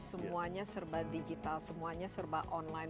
semuanya serba digital semuanya serba online